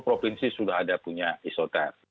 provinsi sudah ada punya isoter